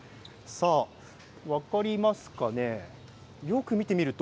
分かりますかね？